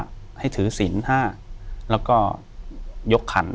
อยู่ที่แม่ศรีวิรัยยิวยลครับ